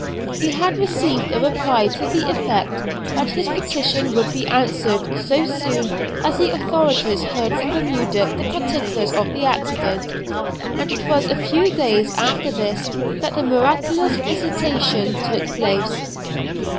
He had received a reply to the effect that his petition would be answered so soon as the authorities heard from Bermuda the particulars of the accident, and it was a few days after this that the miraculous visitation took place.